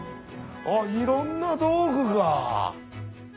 いろんな道具が。